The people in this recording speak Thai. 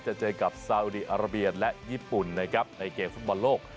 จะเจอกับซาอุดีอาราเบียและญี่ปุ่นนะครับในเกมฟุตบอลโลก